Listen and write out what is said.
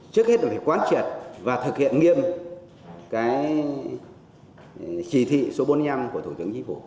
trước hết là phải quán triệt và thực hiện nghiêm cái chỉ thị số bốn mươi năm của thủ tướng chính phủ